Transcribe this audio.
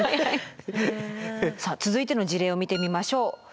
さあ続いての事例を見てみましょう。